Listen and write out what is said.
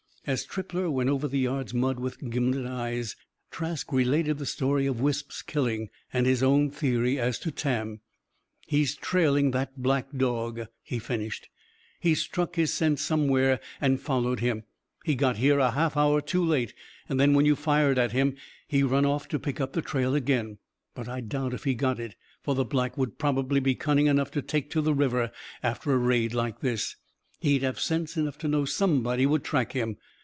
As Trippler went over the yard's mud with gimlet eyes, Trask related the story of Wisp's killing; and his own theory as to Tam. "He's trailing that black dog," he finished. "He struck his scent somewhere, and followed him. He got here a half hour too late. And then when you fired at him he run off to pick up the trail again. But I doubt if he got it. For, the Black would probably be cunning enough to take to the river, after a raid like this. He'd have sense enough to know somebody would track him.